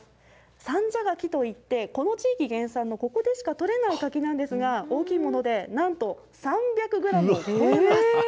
三社柿と言って、この地域原産の、ここでしか取れない柿なんですが、大きいもので、なんと３００グラムを超えます。